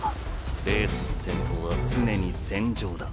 レースの先頭は常に戦場だ。